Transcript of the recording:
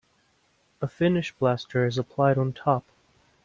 A finish plaster is applied on top.